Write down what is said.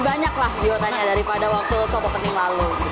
harapannya sudah lebih banyak lah biotanya daripada waktu shop opening lalu gitu